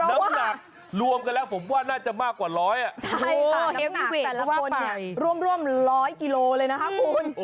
น้ำหนักรวมกันแล้วผมว่าน่าจะมากกว่าร้อยแต่ละคนเนี่ยร่วมร้อยกิโลเลยนะคะคุณ